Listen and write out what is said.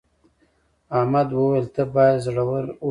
احمد وویل ته باید زړور اوسې.